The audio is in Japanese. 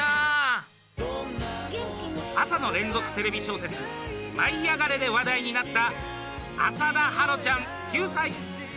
朝の連続テレビ小説「舞いあがれ！」で話題になった浅田芭路ちゃん、９歳。